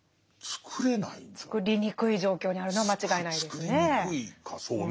つくりにくい状況にあるのは間違いないですね。